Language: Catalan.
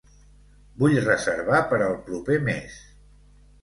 Vull reservar per al proper mes.